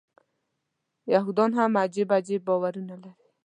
یهودان هم عجب عجب باورونه لري.